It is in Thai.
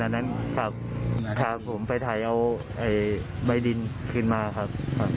ดังนั้นครับขาผมไปถ่ายเอาใบดินคืนมาครับ